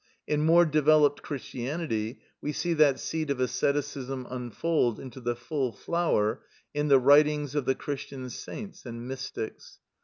In more developed Christianity, we see that seed of asceticism unfold into the full flower in the writings of the Christian saints and mystics.